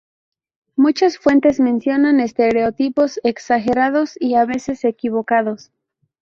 Muchas fuentes mencionan estereotipos exagerados y a veces equivocados.